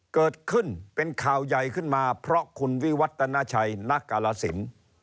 เกิดขึ้นเป็นข่าวใหญ่ขึ้นมาเพราะคุณวิวัตนาชัยณกาลสิน